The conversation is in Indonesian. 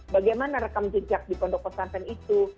bagaimana rekam jejak di pondok pesantren itu